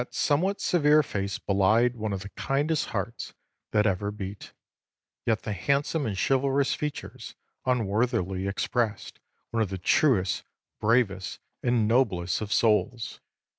That somewhat severe face belied one of the kindest hearts that ever beat: yet the handsome and chivalrous features unworthily expressed one of the truest, bravest, and noblest of souls.